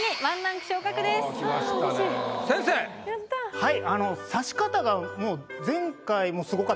はい。